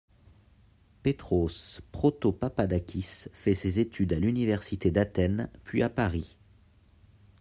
Pétros Protopapadákis fait ses études à l'université d'Athènes puis à Paris.